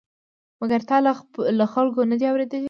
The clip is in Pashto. مګر تا له خلکو نه دي اورېدلي؟